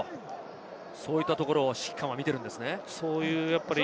そういったところを指揮官を見ているんですね。